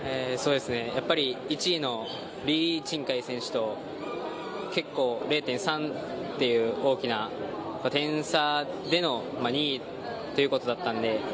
１位の李智凱選手と結構、０．３っていう大きな点差での２位ということだったので。